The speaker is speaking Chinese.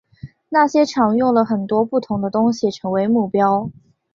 那些场用了很多不同的东西成为目标。